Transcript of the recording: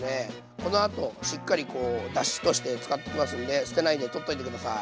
このあとしっかりこうだしとして使っていきますんで捨てないで取っといて下さい。